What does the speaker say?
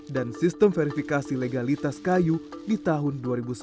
dan sistem verifikasi legalitas kayu di tahun dua ribu sebelas